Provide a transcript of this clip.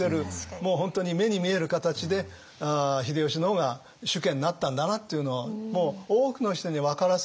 もう本当に目に見える形で秀吉の方が主家になったんだなっていうのをもう多くの人に分からせる